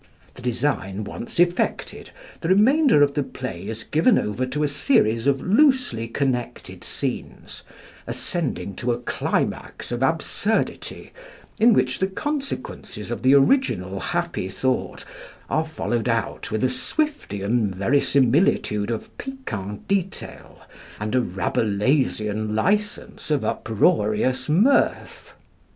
The design once effected, the remainder of the play is given over to a series of loosely connected scenes, ascending to a climax of absurdity, in which the consequences of the original happy thought are followed out with a Swiftian verisimilitude of piquant detail and a Rabelaisian license of uproarious mirth.